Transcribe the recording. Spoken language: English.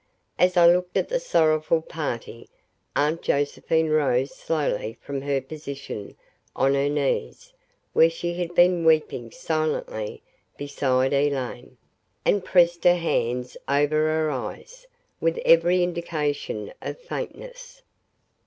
As I looked at the sorrowful party, Aunt Josephine rose slowly from her position on her knees where she had been weeping silently beside Elaine, and pressed her hands over her eyes, with every indication of faintness.